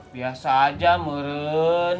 biasa aja murun